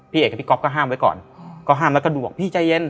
เอกกับพี่ก๊อฟก็ห้ามไว้ก่อนก็ห้ามแล้วก็ดูบอกพี่ใจเย็น